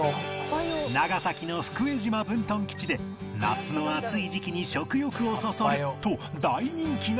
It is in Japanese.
長崎の福江島分屯基地で夏の暑い時期に食欲をそそると大人気の空上げ